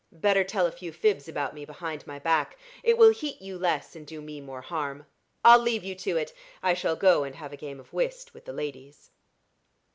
Better tell a few fibs about me behind my back it will heat you less, and do me more harm. I'll leave you to it; I shall go and have a game of whist with the ladies."